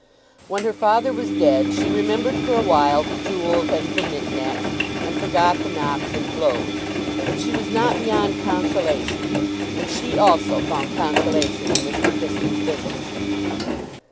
When her father was dead she remembered for a while the jewels and the knick knacks, and forgot the knocks and blows. But she was not beyond consolation, and she also found consolation in Mr. Fisker's visits.